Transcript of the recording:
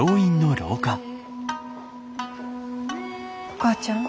お母ちゃん。